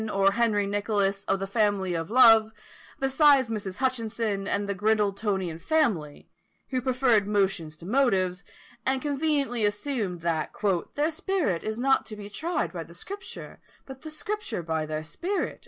or Henry Nicholas, of the Family of Love, besides Mrs. Hutchinson, and the Grindletonian family, who preferred "motions to motives," and conveniently assumed that "their spirit is not to be tried by the Scripture, but the Scripture by their spirit."